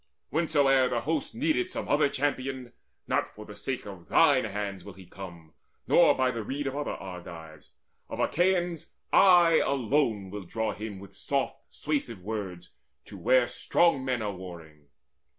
Whensoe'er the host Needeth some other champion, not for the sake Of thine hands will he come, nor by the rede Of other Argives: of Achaeans I Alone will draw him with soft suasive words To where strong men are warring.